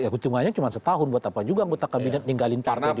hitungannya cuma setahun buat apa juga anggota kabinet ninggalin partai